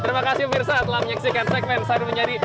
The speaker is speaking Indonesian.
terima kasih mirsa telah menyaksikan segmen sahidun menyari